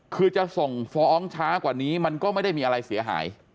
คือจะส่งฟ้องช้ากว่านี้มันก็ไม่ได้มีอะไรเสียหาย